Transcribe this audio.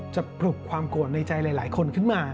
ปลุกความโกรธในใจหลายคนขึ้นมา